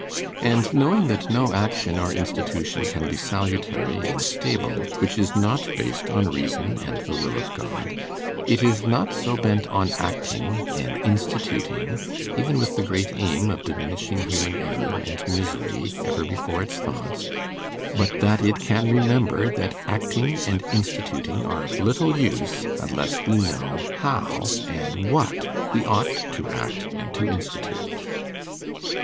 And knowing that no action or institution can be salutary and stable which is not based on reason and the will of God, it is not so bent on acting and instituting, even with the great aim of diminishing human error and misery ever before its thoughts, but that it can remember that acting and instituting are of little use, unless we know how and what we ought to act and to institute....